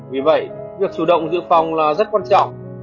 vì vậy việc chủ động dự phòng là rất quan trọng